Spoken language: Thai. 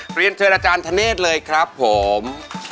เรียนเชิญอาจารย์ธเนธเลยครับผม